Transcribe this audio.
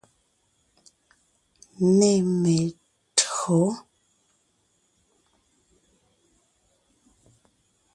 Nê me[o tÿǒ.